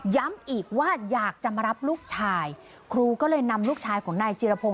ย้ำอีกว่าอยากจะมารับลูกชายครูก็เลยนำลูกชายของนายจิรพงศ